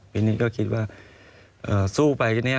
พี่นิดก็คิดว่าสู้ไปกันเนี่ย